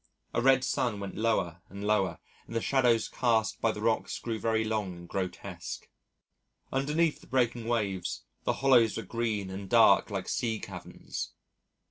A red sun went lower and lower and the shadows cast by the rocks grew very long and grotesque. Underneath the breaking waves, the hollows were green and dark like sea caverns.